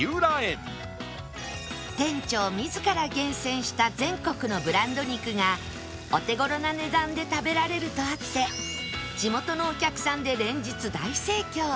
店長自ら厳選した全国のブランド肉がお手頃な値段で食べられるとあって地元のお客さんで連日大盛況！